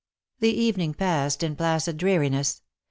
'' The evening passed in placid dreariness.